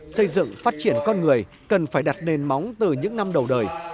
xây dựng phát triển con người cần phải đặt nền móng từ những năm đầu đời